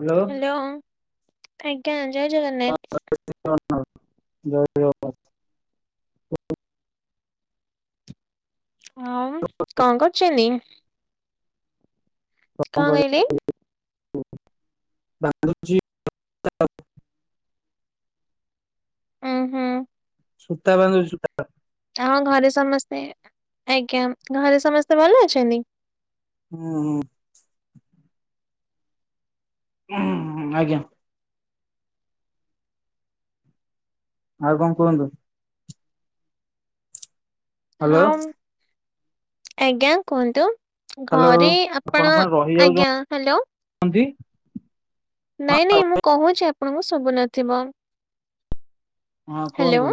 Hello. Hello ଆଜ୍ଞା ଜୟ୍ ଜଗନ୍ନାଥ୍। [unintelligible] ଆଉ କଣ କର୍ଚନ୍ତି। କଂ କଇଲେ। [unintelligible] ଉଁ ହୁଁ। ସୂତା ବାନ୍ଧୁ ସୂତା। ହଁ ଘରେ ସମସ୍ତେ ଆଜ୍ଞା ଘରେ ସମସ୍ତେ ଭଲ ଅଛନ୍ତି। ହୁଁ ହୁଁ। ହ ଆଜ୍ଞା। ଆଉ କଣ କୁହନ୍ତୁ। ହ୍ୟାଲୋ ହଁ ଆଜ୍ଞା କୁହନ୍ତୁ। ହ୍ୟାଲୋ ଘରେ ଆପଣ ଆଜ୍ଞା ହ୍ୟାଲୋ। ହଣ୍ଡି ନାଇଁ ନାଇଁ ମୁଁ କହୁଛି ଆପଣଙ୍କୁ ଶୁଭୁ ନଥିବ? ହଁ ହ୍ୟାଲୋ କୁହନ୍ତୁ।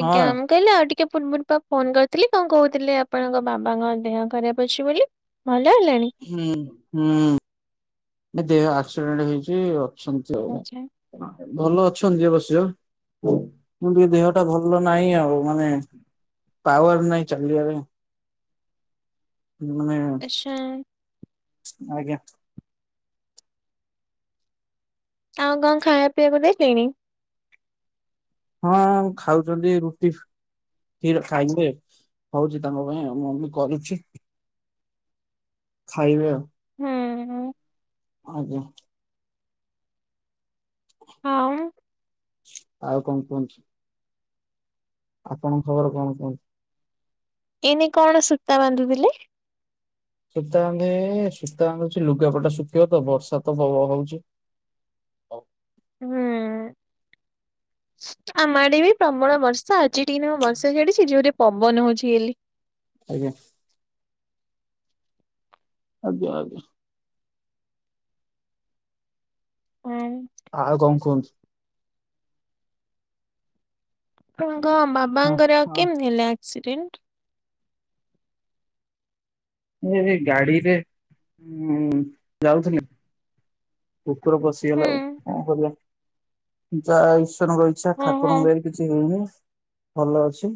ହଁ କହିଲେ ଆଉ ଟିକେ ପୂର୍ବୁରୁ ଫୋନ କରିଥିଲି କଣ କହୁଥିଲେ ଆପଣଙ୍କ ବାବାଙ୍କ ଦେହ ଖରାପ ଅଛି ବୋଲି? ଭଲ ହେଲାଣି? ହୁଁ ହୁଁ ଦେହ ଆସିରେଣ୍ଟ ହେଇଛି ଅଛନ୍ତି ଆଉ। ଆଚ୍ଛା ଭଲ ଅଛନ୍ତି ଅବଶ୍ୟ। କିନ୍ତୁ ଦେହ ଟା ଭଲ ନାହିଁ ଆଉ ମାନେ ପାୱର ନାଇଁ ଚାଲିବାରେ ମାନେ ଛା ଆଜ୍ଞା। ଆଉ କଣ ଖାଇବା ପିଇବାକୁ ଦେଇଲେଣି? ହଁ ଖାଉଛନ୍ତି ରୁଟି। କ୍ଷୀର ଖାଇବେ ହଉଛି ତାଙ୍କ ପାଇଁଉ ମୁଁ ଏତି କରୁଛି। ଖାଇବେ ଆଉ। ହୁଁ ହୁଁ। ଆଜ୍ଞା। ଆଉ ଆଉ କଣ କୁହନ୍ତୁ? ଆପଣଙ୍କ ଖବର କଣ କୁହ? ଏନ କଣ ସୂତା ବାନ୍ଧୁଥିଲେ। ସୂତା ଆନ୍ଧ ସୂତା ଆନ୍ଧୁଛି ଲୁଗାପଟା ଶୁଖିବ ତ ବର୍ଷା ତ ହଉଛି। ହୁଁ। ଆମଆଡେ ବି ପ୍ରବଳ ବର୍ଷା ଆଜି ଟିକ ବର୍ଷା ଛାଡିଛି ଯୋଉଠରେ ପବନ ହଉଛି ହେଲି। ଆଜ୍ଞା। ଆଜ୍ଞା ଆଜ୍ଞା। ହଁ। ଆଉ କଣ କୁହନ୍ତୁ? ଆପଣଙ୍କ ବାବାଙ୍କର ଆଉ କେମିତି ହେଲା ଆକ୍ସିଡେଣ୍ଟ? ଏ ଗାଡ଼ିରେ ଉ ଯାଉଥିଲେ। କୁକୁର ପଶିଗଲା ହୁଁ। ଆଉ କଣ କରିବା ଯାହା ଈଶ୍ୱରଙ୍କ ଇଚ୍ଛା ଓହୋ ଠାକୁରଙ୍କ ଦୟାରୁ। କିଛି ହଉନି ଭଲ ଅଛି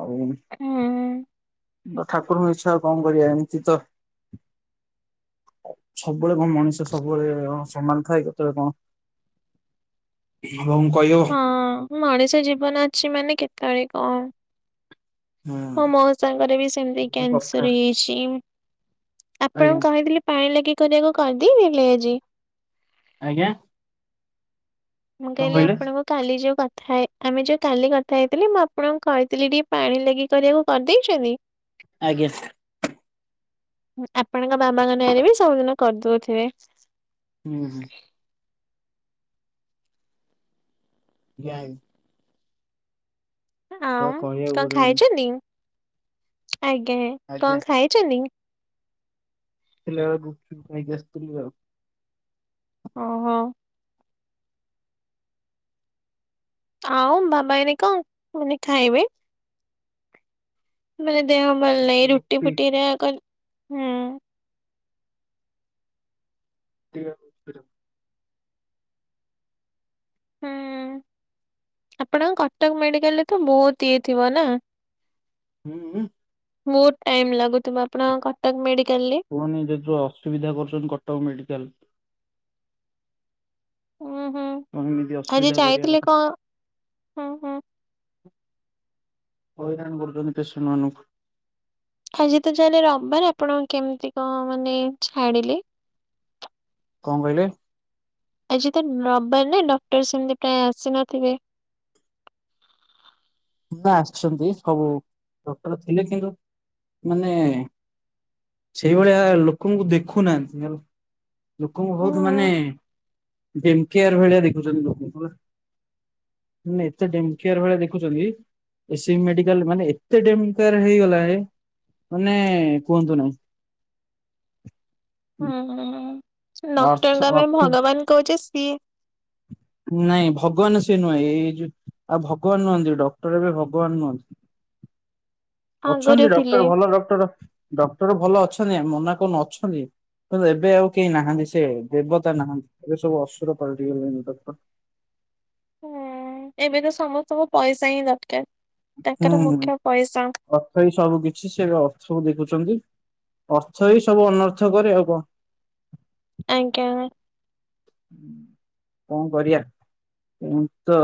ଆଉ। ହୁଁ। ଠାକୁରଙ୍କ ଇଚ୍ଛା ଆଉ କଣ କରିବା ଏମିତି ତ ସବୁବେଳେ କଣ ମଣିଷ ସବୁବେଳେ ସମାନ ଥାଏ କେତେବେଳେ କଣ ହଁ ମୁଁ କହି ହଁ ମଣିଷ ଜୀବନ ଅଛି ମାନେ କେତେବେଳେ କଣ ହୁଁ। ମୋ ମୋଉଶା ଙ୍କର ବି ସେମିତି ଯୋଉ କଥା କ୍ୟାନସର ହେଇଛି ଆଜ୍ଞା ଆପଣ କହିଥିଲି ପାଣି ଲାଗି କରିବାକୁ କରିଦେଇ ନେଲେ ଆଜି? ଆଜ୍ଞା। ମୁଁ କଣ କହିଲି କହିଲେ? ଆପଣଙ୍କ କାଲି ଯଉ କଥା ହେ ଆମେ ଯୋଉଁ କାଲି କଥା ହେଇଥିଲି ମୁଁ ଆପଣଙ୍କୁ କହିଥିଲି ଟିକେ ପାଣି ଲାଗି କରିବାକୁ କରିଦେଇଛନ୍ତି? ଆଜ୍ଞା। ଆପଣଙ୍କ ବାବାଙ୍କ ନାଁରେ ବି ସବୁଦିନ କରିଦଉଥିବେ। ହୁଁ ହୁଁ। ଯାଇ ତ ଆଁ କହିବାକୁ କଣ ପଡିବନି ଖାଇଛନ୍ତି ଆଜ୍ଞା ଆଜ୍ଞା କଣ ଖାଇଛନ୍ତି? ଫେରିଲା ବେଳେ ଗୁପଚୁପ ଖାଇକି ଆସଥିଲି ଆଉ। ଓହୋ। ଆଉ ବାବା ଏଇନେ କଣ ମାନେ ଖାଇବେ? ମାନେ ଦେହ ଭଲ ନାଇଁ ହୁଁ ରୁଟି ଫୁଟି ହେରା କର୍ ହୁଁ। ଟି ପା [unintelligible] ହୁଁ ଆପଣଙ୍କ କଟକ ମେଡିକାଲରେ ତ ବୋହୁତ ଇଏ ଥିବ ନା? ହୁଁଉଁ। ବୋହୁତ ଟାଇମ ଲାଗୁଥୁବ ଆପଣଙ୍କ କଟକ ମେଡିକାଲରେ? କୁହନି ଯେତେସବୁ ଅସୁବିଧା କରୁଚନ୍ତି କଟକ ମେଡିକାଲ। ଉଁହୁଁ ହଁ କଣ ଏମିତି ଆଜି ଅସୁବିଧା କରିବା ଯାଇଥିଲେ କଥା କଣ ହୁଁ ହୁଁ। ହଇରାଣ କରୁଚନ୍ତି ପେସେଣ୍ଟମାନଙ୍କୁ। ଆଜି ତ ଯାହେଲେ ରବ ମାନେ ଆପଣଙ୍କ କେମତି କଣ ମାନେ ଛାଡ଼ିଲେ? କଣ କହିଲେ? ଆଜି ତ ରବିବାର ନା ଡକ୍ଟର ସେମତି ପ୍ରାୟ ଆସିନଥିବେ? ନା ଆସଚନ୍ତି ସବୁ ଡକ୍ଟର ଥିଲେ କିନ୍ତୁ ମାନେ ସେଇଭଳିଆ ଲୋକଙ୍କୁ ଦେଖୁନାହାନ୍ତି ହାଲୋ ଲୋକଙ୍କୁ ହୁଁ ବୋହୁତ ହୁଁ ମାନେ ଡେମ୍ଫିଆର ଭଳିଆ ଦେଖୁଚନ୍ତି ଲୋକଙ୍କୁ ହେଲା। ମାନେ ଏତେ ଡେମ୍ଫିଆର୍ ଭଳିଆ ଦେଖୁଚନ୍ତି ଏ ସି ବି ମେଡିକାଲ ମାନେ ଏତେ ଡେମ୍ଫିଆର ହେଇଗଲାଣି ମାନେ କୁହନ୍ତୁ ନାହିଁ। ହୁଁ ହୁଁ ଅର୍ଥ ଡକ୍ଟରଙ୍କୁ ଆମେ ଅର୍ଥ ଭଗବାନ କହୁଚେ ସିଏ ନାଇଁ ଭଗବାନ ସିଏ ନୁହେଁ ଏଇ ଯୋଉ ଆଉ ଭଗବାନ ନୁହଁନ୍ତି ଡକ୍ଟର ଏବେ ଭଗବାନ ନୁହଁନ୍ତି। ଅଛନ୍ତି ଆଗରେ ଥିଲେ। ଡକ୍ଟର ଭଲ ଡକ୍ଟର ଡକ୍ଟର ଭଲ ଅଛନ୍ତି ଆମେ ମନା କରନୁ ଅଛନ୍ତି। କିନ୍ତୁ ଏବେ ଆଉ କେହି ନାହାନ୍ତି ସେ ଦେବତା ନାହାନ୍ତି ଏବେ ସବୁ ଅସୁର ପାଲଟି ଗଲେଣି ଡକ୍ଟର। ହୁଁ ଏବେ ତ ସମସ୍ତଙ୍କୁ ପଇସା ହିଁ ଦରକାର। ହୁଁ ତାଙ୍କର ହୁଁ ମୁଖ୍ୟ ପଇସା। ଅର୍ଥ୍ ର୍ଥ ହିଁ ସବୁ କିଛି ସିଏ ବି ଅର୍ଥକୁ ଦେଖୁଛନ୍ତି ଅର୍ଥ ହିଁ ସବୁ ଅନର୍ଥ କରେ ଆଉ କଣ। ଆଜ୍ଞା। ଉ କଣ କରିବା ଏମିତି ତ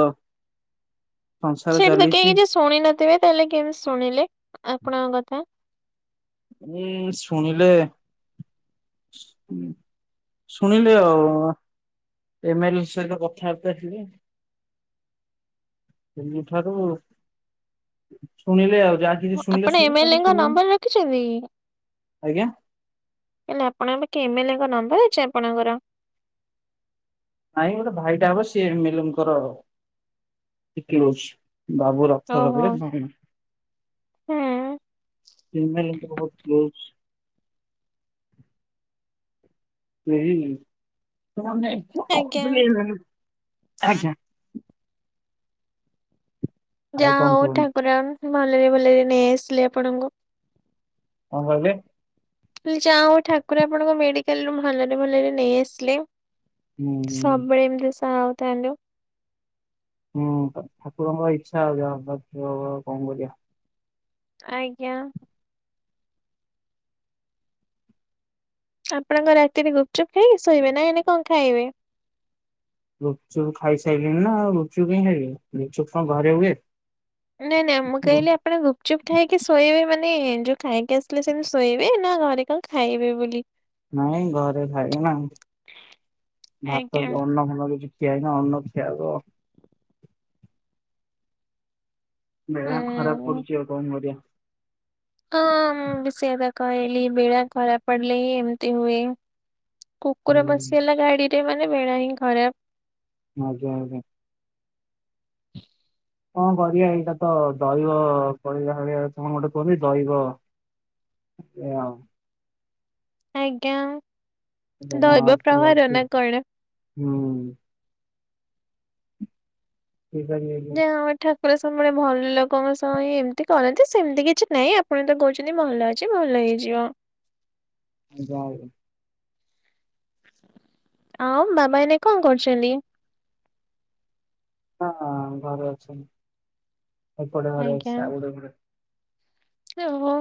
ସଂସାର ସେଇଠି ତ କେହି ଚାଲିଛି କିଛି ଶୁଣି ନଥିବେ ତାହେଲେ କେମିତି ଶୁଣିଲେ ଆପଣଙ୍କ କଥା? ଉଁ ଶୁଣିଲେ ଶୁଣିଲେ ଆଉ ଏମ୍ ଏଲ୍ ଏ ସହିତ କଥାବାର୍ତ୍ତା ହେଲି ସେଇଠାରୁ ଶୁଣିଲେ ଆଉ ଯା ମୁଁ ଆପଣ ଏମ୍ ଏଲ୍ ଏଙ୍କ ନମ୍ବର ରଖିଛନ୍ତି କି? ଆଜ୍ଞା ତାହେଲେ ଆପଣଙ୍କ ପାଖେ ଏମ୍ ଏଲ୍ ଏଙ୍କ ନମ୍ବର ଅଛି ଆପଣଙ୍କର? ନାହିଁ ଗୋଟେ ଭାଇଟା ହବ ସିଏ ଏମ୍ ଏଲ୍ ଏଙ୍କର ଟିକେ କ୍ଲୋଜ। ବାବୁ ରକ୍ତରେ ଓହୋ [unintelligible] ଏମ୍ ହୁଁ ଏଲ୍ ଏଙ୍କର ବୋଧେ କ୍ଲୋଜ୍। ସେହି ତୁମ ଆଜ୍ଞା। [unintelligible] ଆଚ୍ଛା। ଆଉ ଯାହା କଣ ହୋଉ କୁହନ୍ତୁ ଠାକୁର ଆମ୍ ଭଲରେ ଭଲରେ ନେଇ ଆସିଲେ ଆପଣଙ୍କୁ। କଣ କହିଲେ? ମୁଁ କହିଲି ଯାହୋଉ ଠାକୁର ଆପଣଙ୍କୁ ମେଡିକାଲରୁ ଭଲରେ ଭଲରେ ନେଇ ଆସିଲେ। ହୁଁ ସବୁବେଳେ ଏମତି ସାହା ହୋଉଥାନ୍ତୁ। ହୁଁ ହୁଁ ପା ଠାକୁରଙ୍କ ଇଚ୍ଛା ଆଉ ଯାହା ହବାର ଥିବ ହବ ଆଉ କଣ କରିବା। ଆଜ୍ଞା। ଆପଣ କଣ ରାତିରେ ଗୁପଚୁପ୍ ଖାଇକି ଶୋଇବେ ନା ଏଇନେ କଣ ଖାଇବେ? ଗୁପଚୁପ୍ ଖାଇସାଇଲିଣିି ନା ଆଉ ଗୁପଚୁପ କାଇଁ ଖାଇବି ଗୁପଚୁପ କଣ ଘରେ ହୁଏ। ନାଇଁ ନାଇଁ ମୁଁ କହିଲି ଆପଣ ଗୁପ୍ ଚୁପ୍ ଖାଇକି ଶୋଇବେ ମାନେ ଯୋଉ ଖାଇକି ଆସିଲେ ସେମତି ଶୋଇବେ ନା ଘରେ କଣ ଖାଇବେ ବୋଲି? ନାଇଁ ଘରେ ଖାଇବି ନା ଭାତ ଆଜ୍ଞା କି ଅନ୍ନ ଫନ କିଛି। ଖିଆ ହେନି ଅନ୍ନ ଖିଆ ହବ। ବେଳା ଖରାପ ହୁଁ ପଡୁଚି ଆଉ କଣ କରିଆ। ହଁ ମୁଁ ବି ସେଇ କଥା କଇଲି ବେଳା ଖରାପ ପଡିଲେ ହିଁ ଏମତି ହୁଏ। କୁକୁର ହୁଁ। ପସି ଗଲା ଗାଡି ରେ ମାନେ ବେଳା ହିଁ ଖରାପ। ଆଜ୍ଞା ଆଜ୍ଞା। କଣ କରିଆ ଏଇଟା ତ ଦଇବ କଇଲା ଭଳିଆ କଣ ଗୋଟେ କୁହନ୍ତି ଦଇବ ଏ ଆ ଆଉ। ଆଜ୍ଞା ଏଟା କଣ ଆଉ ଦଇବ ପ୍ରହାର ଠିକ ନା କଣ? ହୁଁ। ଠିକ [unintelligible] ଯା [unintelligible] ଠାକୁର ସମୁଳେ ଭଲ ଲୋକଙ୍କ ସହ ହିଁ ଏମିତି କରନ୍ତି ସେମିତି କିଛି ନାଇଁ ଆପଣ ତ କହୁଛନ୍ତି ଭଲ ଅ ଚି ଭଲ ହେଇଯିବ। [unintelligible] ଆଜ୍ଞା। ଆଉ ମାମା ଏଇନେ କଣ କରୁଚନ୍ତି? ହଁ ହ ଘରେ ଅଛନ୍ତି ଏପଟେ ଘରେ ଅଛି ଆଉ ଗୋଟେ ଘରେ। ଏ ହୋ।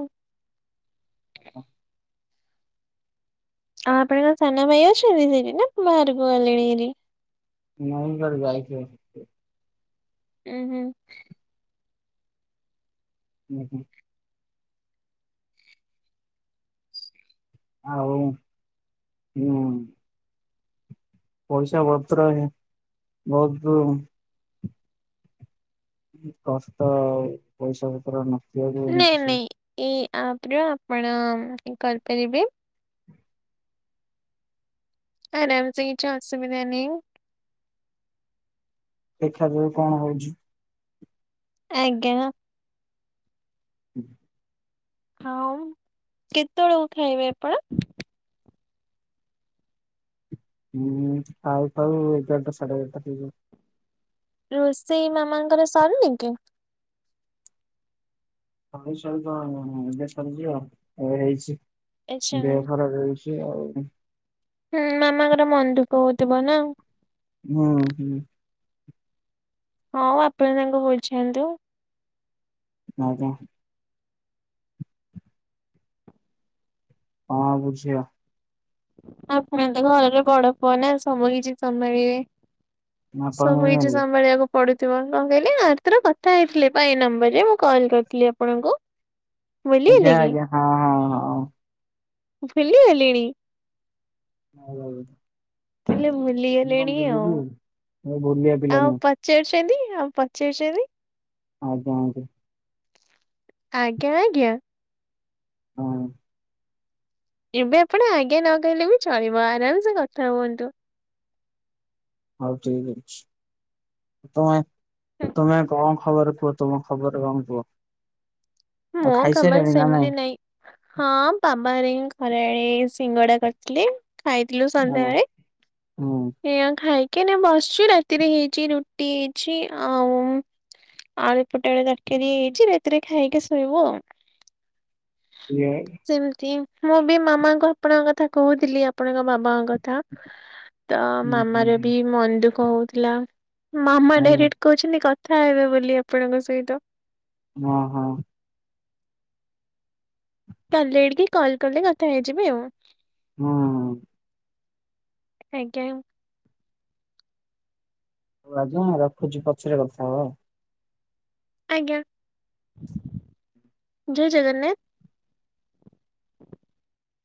ଆଜ୍ଞା। [unintelligible] ଆ ଆପଣଙ୍କର ସାନ ଭାଇ ଅଛନ୍ତି ସେଠି ନା ବାହାରକୁ ଗଲେଣି ହେରି। ନାଇ କୁଆଡେ ଯାଇଥିବ। ଉଁ ହୁଁ। ହୁଁ ହୁଁ। ଆଉ ହୁଁ। ପଇସା ବତ୍ର ଭି ବହୁତୁ ଉ କଷ୍ଟ ଆଉ ପଇସା ପତ୍ର ନ ନେଇଁ ନେଇଁ ଏଇ ଆପ ରେ ଆପଣ ହିଁ କରିପାରିବେ। ଆରାମ ସେ କିଛି ଅସୁବିଧା ନେଇଁ। ଦେଖା ଯାଉ କଣ ହଉଛି। ଆଜ୍ଞା। ହା [inaudible] ହାଉ କେତେବେଳକୁ ଖାଇବେ ଆପଣ? ହୁଁ ଖାଉଖାଉ ଏଗାରଟା ସାଢେ ଏଗାରଟା ହେଇଯାଏ। ରୋଷେଇ ମାମାଙ୍କର ସରୁନୀ କି। ହଇସଇ ତ ଦେଖାରୁଛି ଆଉ ଏ ହେଇଛି ଆଚ୍ଛା ହୁଁ ଦେହ ଖରାପ ହେଇଛି। କେ ଆଉ। ହୁଁ ମାମାଙ୍କର ମନ ଦୁଃଖ ହଉଥିବ ନା। ହୁଁ ହୁଁ। ଆଉ ଆପଣ ତାଙ୍କୁ ବୁଝାନ୍ତୁ। ଆଜ୍ଞା। ହଁ ବୁଝିବା। ଆପଣ ତ ଘରର ବଡ ପୁଅ ନା ସବୁ କିଛି ସମ୍ଭାଳିବେ। ଆପଣ ସବୁ କିଛି ଜାଣିପାରିବେ? ସମ୍ଭାଳିବାକୁ। ପଢୁଥିବ କଣ କହିଲେ ଆରଥର କଥା ହେଇଥିଲେ ବା ଏଇ ନମ୍ବର ରେ ମୁଁ କଲ୍ କରିଥିଲି ଆପଣଙ୍କୁ। ଭୁଲିଗଲେ ଆଜ୍ଞା କି ଆଜ୍ଞା ହଁ ହଁ ହଁ। ଭୁଲି ଗଲିଣି। [unintelligible] ହେଲେ ଭୁଲି ମୁଁ କଣ ଗଲେଣି ଆଉ ଭୁଲିଯିବୁ ମୁଁ ଭୁଲିବା ପିଲା ଆଉ ନୁହେଁ ପ ଚାରୁଛନ୍ତି ଆଉ ପଚାରୁଛନ୍ତି। ଆଜ୍ଞା ଆଜ୍ଞା। ଆଜ୍ଞା ଆଜ୍ଞା। ହଁ। ଏବେ ଆପଣ ଆଜ୍ଞା ନକହିଲେ ବି ଚଳିବ ଆରାମସେ କଥା ହୁଅନ୍ତୁ। ହଉ ଠିକ ଅଛି ତମେ ତୁମେ କଣ ଖବର କୁହ ତୁମ ଖବର କଣ କୁହ। ଆଉ ମୁଁ ଖବର ଖାଇସାରିଲଣି ନା ସେମିତି ନାଇଁ। ହଁ ବାବା ହେରି ଙ୍କ ଘରେ ଏଇ ସିଙ୍ଗଡ଼ା କରିଥିଲେ। ଖାଇ ଥିଲୁ ଆଜ୍ଞା ସନ୍ଧ୍ୟାବେଳେ। ହୁଁ ଏ ଅଁ ଖାଇକି ବସିଚୁ ରାତିରେ ହେଇଛି ରୁଟି ହେଇଛି ଆଉ ଆଳୁ ପଟେ ବେଳେ ରାତିରେ ହେଇଛି ରାତିରେ ଖାଇକି ଶୋଇବୁ ଆଉ। [unintelligible] ସେମିତି ମୁଁ ବି ମାମାଙ୍କୁ ଆପଣଙ୍କ କଥା କହୁଥିଲି ଆପଣଙ୍କ ବାବା ଙ୍କ କ ଥା ତ ହୁଁ ହୁଁ ମାମାର ହୁଁ ବି ମ ଦୁଃଖ ହଉଥିଲା ମାମା ଆଜ୍ଞା ଡାଇରେକ୍ଟ କହୁଛନ୍ତି କଥା ହେବେ ବୋଲି ଆପଣଙ୍କ ସହିତ। ମ ହଁ। କାଲି ଆଡ଼ିକି କଲ୍ କଲେ କଥା ହେଇଯିବି ଆଉ। ହୁଁ। ଆଜ୍ଞା। ହେଲା ଯ ହଁ ରଖୁଛି ପଛରେ କଥା ହବା ଆଉ। ଆଜ୍ଞା ଜୟ ଜଗନ୍ନାଥ।